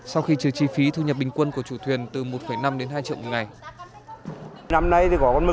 sau khi trừ chi phí thu nhập bình quân của chủ thuyền từ một năm đến hai triệu một ngày